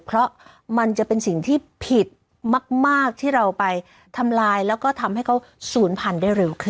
เพราะมันจะเป็นสิ่งที่ผิดมากที่เราไปทำลายแล้วก็ทำให้เขาศูนย์พันธุ์ได้เร็วขึ้น